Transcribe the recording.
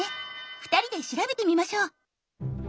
２人で調べてみましょう。